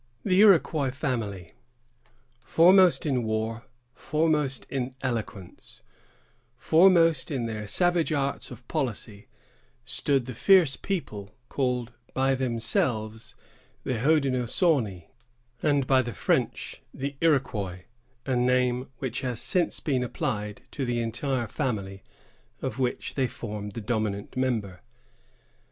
THE IROQUOIS FAMILY. Foremost in war, foremost in eloquence, foremost in their savage arts of policy, stood the fierce people called by themselves the Hodenosaunee, and by the French the Iroquois, a name which has since been applied to the entire family of which they formed the dominant member.